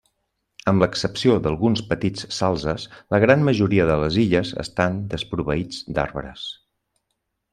Amb l'excepció d'alguns petits salzes, la gran majoria de les illes estan desproveïts d'arbres.